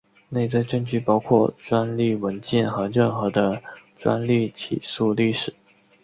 内在证据包括专利文件和任何的专利起诉历史。